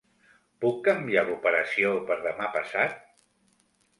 Puc canviar l'operació per demà passat?